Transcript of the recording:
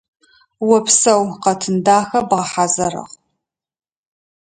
Опсэу, къэтын дахэ бгъэхьазырыгъ.